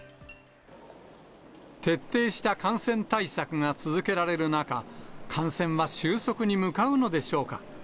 徹底した感染対策が続けられる中、感染は収束に向かうのでしょうか。